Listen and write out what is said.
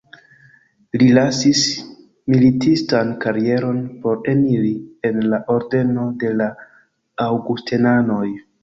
Li lasis militistan karieron por eniri en la ordeno de la Aŭgustenanoj.